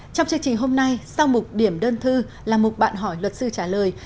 trong chương trình hôm nay sau mục điểm đơn thư là mục bạn hỏi luật sư trả lời